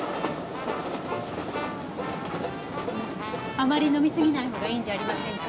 あまり飲み過ぎないほうがいいんじゃありませんか？